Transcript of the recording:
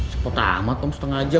seperti apa tom setengah jam